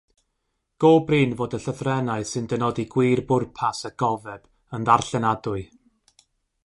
Go brin fod y llythrennau sy'n dynodi gwir bwrpas y gofeb yn ddarllenadwy.